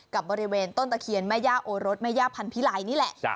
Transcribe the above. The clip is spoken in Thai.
กับบริเวณต้นตะเคียนแม่ย่าโอรสแม่ย่าพันธิไลนี่แหละ